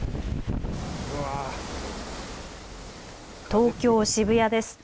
東京渋谷です。